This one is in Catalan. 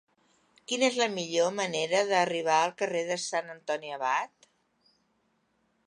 Quina és la millor manera d'arribar al carrer de Sant Antoni Abat?